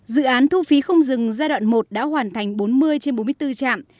dự án thu phí không dừng giai đoạn một đã hoàn thành bốn mươi trên bốn mươi bốn trạm